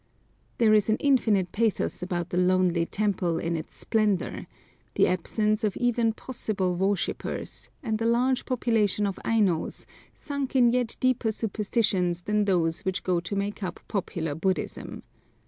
There is an infinite pathos about the lonely temple in its splendour, the absence of even possible worshippers, and the large population of Ainos, sunk in yet deeper superstitions than those which go to make up popular Buddhism.